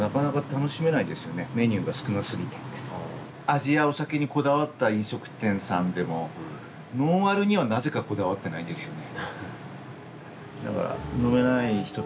味やお酒にこだわった飲食店さんでもノンアルにはなぜかこだわってないんですよね。